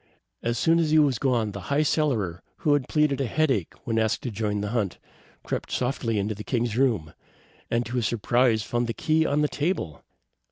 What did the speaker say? As soon as he was gone, the High Cellarer, who had pleaded a headache when asked to join the hunt, crept softly to the king's room, and to his surprise found the key on the table.